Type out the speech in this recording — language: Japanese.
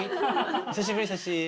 久しぶりさっしー。